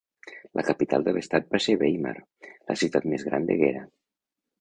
La capital de l'estat va ser Weimar, la ciutat més gran de Gera.